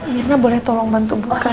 mirna boleh tolong bantu buka